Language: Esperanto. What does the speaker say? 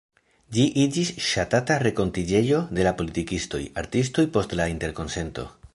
Ĝi iĝis ŝatata renkontiĝejo de la politikistoj, artistoj post la Interkonsento.